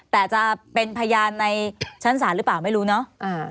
แต่จะเป็นพยานในชั้นศาลหรือเปล่าไม่รู้เนาะ